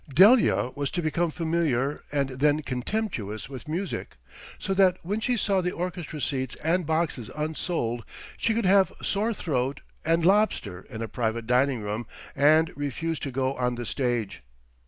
Delia was to become familiar and then contemptuous with Music, so that when she saw the orchestra seats and boxes unsold she could have sore throat and lobster in a private dining room and refuse to go on the stage.